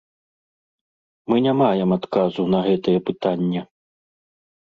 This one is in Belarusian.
Мы не маем адказу на гэтае пытанне.